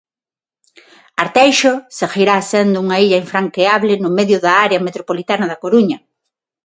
Arteixo seguirá sendo unha illa infranqueable no medio da área metropolitana da Coruña.